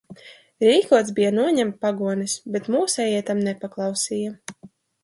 Rīkots bija noņemt pagones, bet mūsējie tam nepaklausīja.